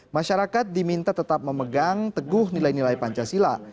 masyarakat diminta tetap memegang teguh nilai nilai pancasila